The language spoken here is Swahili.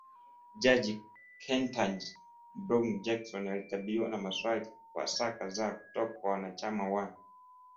jaji Ketanji Brown Jackson alikabiliwa na maswali kwa saa kadhaa kutoka kwa wanachama wa